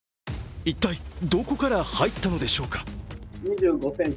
一体どこから入ったのでしょうか。